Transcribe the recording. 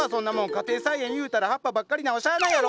家庭菜園言うたら葉っぱばっかりなんはしゃあないやろ！